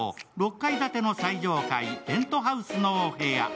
６階建ての最上階、ペントハウスのお部屋。